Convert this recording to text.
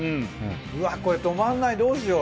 うわっこれ止まんないどうしよう。